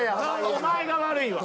お前が悪いわ。